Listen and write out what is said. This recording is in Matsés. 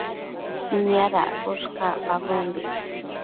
Niadaccosh cacpabombi